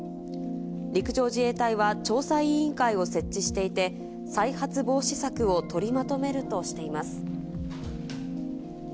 陸上自衛隊は調査委員会を設置していて、再発防止策を取りまとめるとしています。